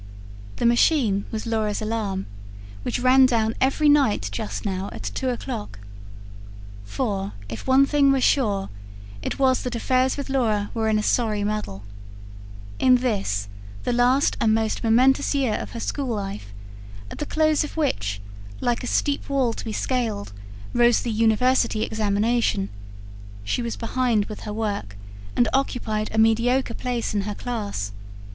The "machine" was Laura's alarum, which ran down every night just now at two o'clock. For, if one thing was sure, it was that affairs with Laura were in a sorry muddle. In this, the last and most momentous year of her school life, at the close of which, like a steep wall to be scaled, rose the university examination, she was behindhand with her work, and occupied a mediocre place in her class.